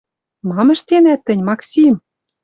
Мам ӹштенӓт тӹнь, Максим?